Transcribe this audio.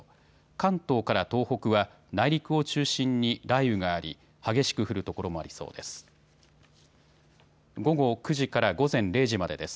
関東から東北は内陸を中心に雷雲があり激しく降る所もありそうです。